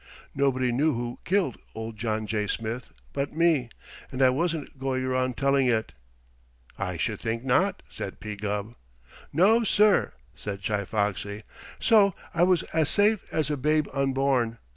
Nobody knew who killed old John J. Smith but me, and I wasn't going around telling it." "I should think not," said P. Gubb. "No, sir!" said Chi Foxy. "So I was as safe as a babe unborn.